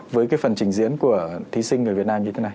với cái phần trình diễn của thí sinh người việt nam như thế này